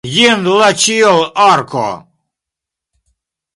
Jen la ĉielarko!